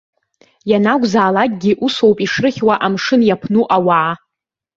Ианакәзаалакгьы усоуп ишрыхьуа амшын иаԥну ауаа.